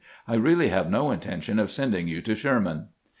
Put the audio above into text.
I really have no intention of sending you to Sherman."